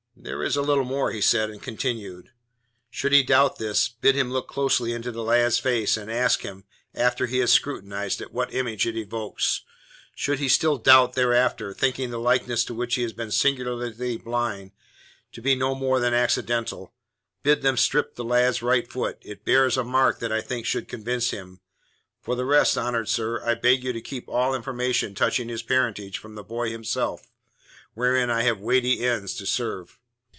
"There is a little more," he said, and continued: Should he doubt this, bid him look closely into the lad's face, and ask him, after he has scrutinized it, what image it evokes. Should he still doubt thereafter, thinking the likeness to which he has been singularly blind to be no more than accidental, bid them strip the lad's right foot. It bears a mark that I think should convince him. For the rest, honoured sir, I beg you to keep all information touching his parentage from the boy himself, wherein I have weighty ends to serve.